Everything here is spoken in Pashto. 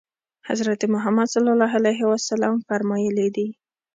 حضرت محمد صلی الله علیه وسلم فرمایلي دي.